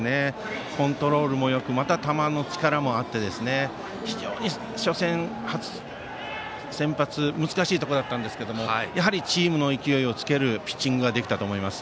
コントロールもよく球の力もあって非常に初戦の先発ということで難しいところだったんですけれどチームの勢いをつけるピッチングができたと思います。